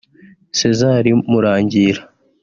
Cesar Murangira